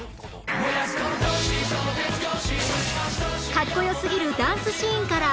かっこ良すぎるダンスシーンから